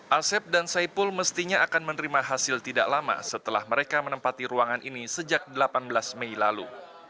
asep dan saipul mestinya akan menerima hasil tidak lama setelah mereka menempati ruangan ini sejak delapan belas mei lalu